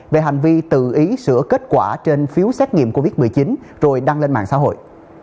về hành vi tự ý sửa kết quả trên phiếu xét nghiệm covid một mươi chín rồi đăng lên mạng xã hội